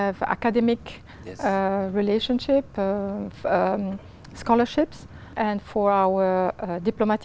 và các bạn nghĩ việt nam